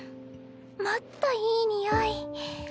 もっといい匂い。